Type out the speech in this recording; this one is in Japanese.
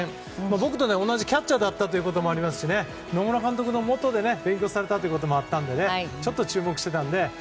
僕と同じキャッチャーだったということもありますし野村監督のもとで勉強されたということもあってちょっと注目していたので。